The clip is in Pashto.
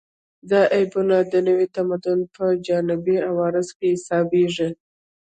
دا عیبونه د نوي تمدن په جانبي عوارضو کې حسابېږي